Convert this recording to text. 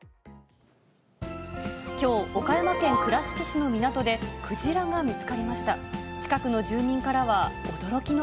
きょう、岡山県倉敷市の港でクジラが見つかりました。